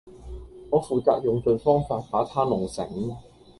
我負責用盡方法把她弄醒